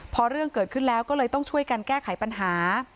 พอเรื่องเกิดขึ้นแล้วก็เลยต้องช่วยกันแก้ไขปัญหา